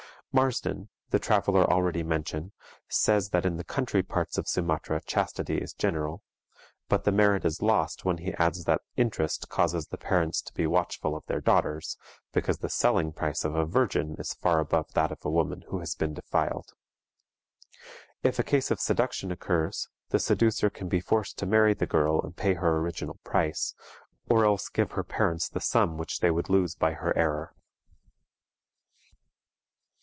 Marsden, the traveler already mentioned, says that in the country parts of Sumatra chastity is general; but the merit is lost when he adds that interest causes the parents to be watchful of their daughters, because the selling price of a virgin is far above that of a woman who has been defiled. If a case of seduction occurs, the seducer can be forced to marry the girl and pay her original price, or else give her parents the sum which they would lose by her error.